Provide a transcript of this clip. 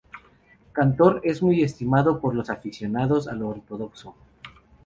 Cantaor muy estimado por los aficionados al ortodoxo.